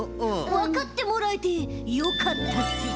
わかってもらえてよかったぜ。